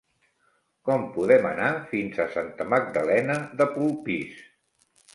Com podem anar fins a Santa Magdalena de Polpís?